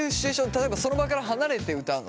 例えばその場から離れて歌うの？